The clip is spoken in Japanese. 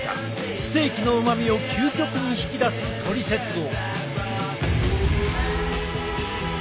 ステーキのうまみを究極に引き出すトリセツを！